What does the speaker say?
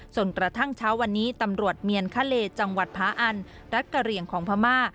จนกระทั่งเช้าวันนี้ตำรวจเมียนคาเลจังหวัดพาอันรัฐกะเหลี่ยงของพม่า